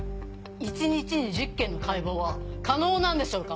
一日に１０件の解剖は可能なんでしょうか？